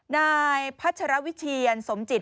นายพัชรวิเชียนสมจิต